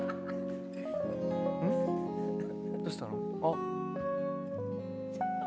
どうしたの？